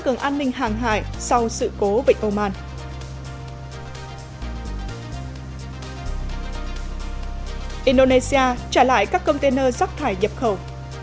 cường an ninh hàng hải sau sự cố vịnh oman indonesia trả lại các container rắc thải dập khẩu